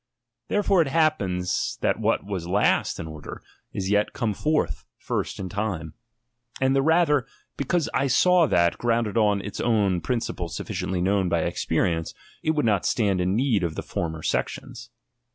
Therefore it happens, that what was last in order, is yet come forth first in time. And the rather, because I saw that, grounded on its own principles sufficiently known by experi ence, it would not stand in need of the former sections.